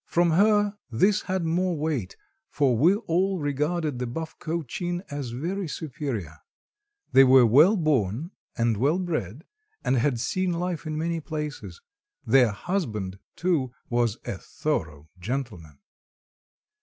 From her this had more weight, for we all regarded the Buff Cochin as very superior. They were well born, and well bred, and had seen life in many places. Their husband, too, was a thorough gentleman.